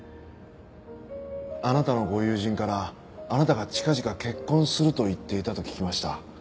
あなたのご友人からあなたが近々結婚すると言っていたと聞きました。